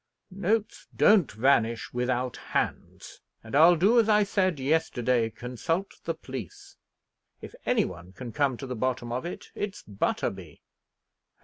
Notes don't vanish without hands, and I'll do as I said yesterday consult the police. If any one can come to the bottom of it, it's Butterby.